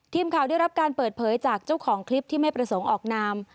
ทีมข่าวได้รับการเปิดเผยจากเจ้าของคลิปที่ไม่ประสงค์ออกนาม